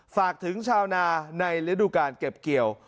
ฝากถึงชาวนาในฤดูการเก็บเกี่ยว